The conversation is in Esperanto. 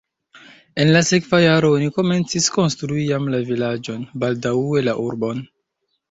En la sekva jaro oni komencis konstrui jam la vilaĝon, baldaŭe la urbon.